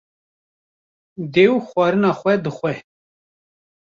Dêw xwarina xwe dixwe